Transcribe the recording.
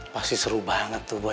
pasti seru banget tuh